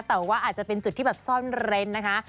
แต่ว่าอาจจะเป็นจุดที่แบบซ่อนเร้นนะคะ